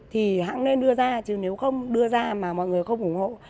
thì hãng nên đưa ra chứ nếu không đưa ra mà mọi người không ủng hộ